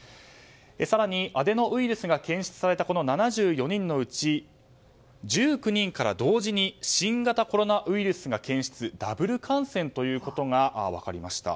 更にアデノウイルスが検出された７４人のうち１９人から同時に新型コロナウイルスが検出ダブル感染ということが分かりました。